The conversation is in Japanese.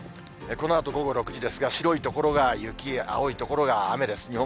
このあと午後６時ですが、白い所が雪、青い所が雨です。